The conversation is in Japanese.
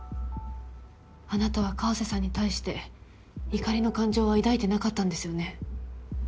あなたは川瀬さんに対して怒りの感情は抱いてなかったんですよね？